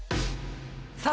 さあ